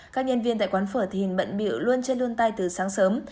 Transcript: các nhân viên tại quán phở thính bận biểu luôn trên luôn tay từ sáng sớm